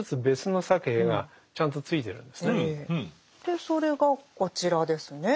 でそれがこちらですね。